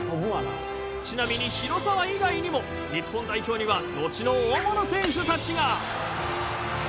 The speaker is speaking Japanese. ちなみに広沢以外にも日本代表には後の大物選手たちが。